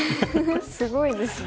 すごいですね。